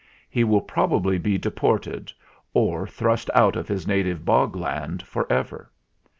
He will probably be deported, or thrust out of his native Bog Land for ever.